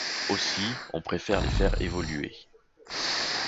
Aussi on préfère les faire évoluer.